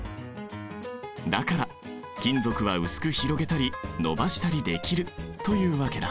だから金属は薄く広げたり延ばしたりできるというわけだ。